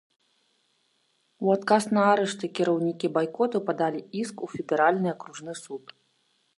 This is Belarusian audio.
У адказ на арышты кіраўнікі байкоту падалі іск у федэральны акружны суд.